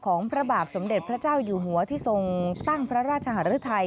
พระบาทสมเด็จพระเจ้าอยู่หัวที่ทรงตั้งพระราชหารุทัย